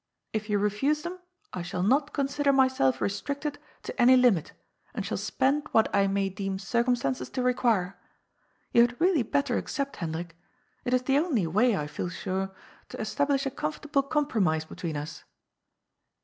If you refuse them, I shall not consider myself restricted to any limit, and shall spend what I may deem circumstances to require. You had really better accept, Hendrik. It is the only way, I feel sure, to establish a comfortable compromise between us.